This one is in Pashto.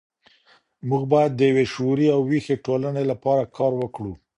موږ بايد د يوې شعوري او ويښې ټولني لپاره کار وکړو.